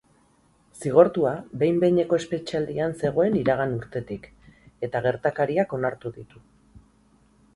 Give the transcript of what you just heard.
Zigortua behin-behineko espetxealdian zegoen iragan urtetik, eta gertakariak onartu ditu.